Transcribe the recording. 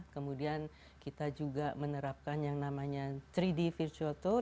kemudian kita juga menerapkan yang namanya tiga d virtual tour